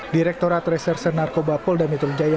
direktorat reserse narkoba polda metro jaya